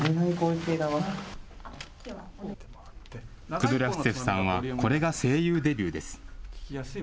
クドリャフツェフさんはこれが声優デビューです。